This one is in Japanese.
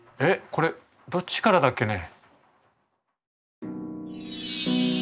これどっちからだっけね。